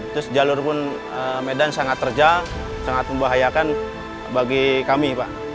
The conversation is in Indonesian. terus jalur pun medan sangat terjal sangat membahayakan bagi kami pak